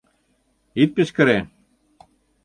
Ит кычкыре!